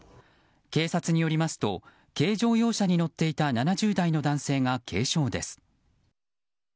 警察によりますと軽乗用車に乗っていた７０代の男性が軽傷です。